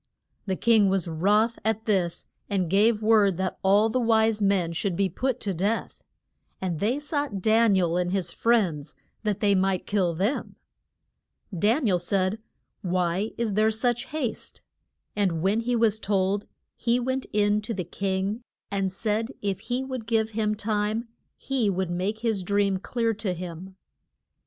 The king was wroth at this and gave word that all the wise men should be put to death. And they sought Dan i el and his friends, that they might kill them. Dan i el said, Why is there such haste? And when he was told he went in to the king and said if he would give him time he would make his dream clear to him.